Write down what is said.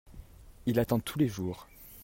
il attend tous les jours.